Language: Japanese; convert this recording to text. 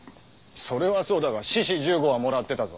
それはそうだが志士十五はもらってたぞ。